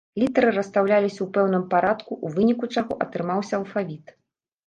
Літары расстаўляліся ў пэўным парадку, у выніку чаго атрымаўся алфавіт.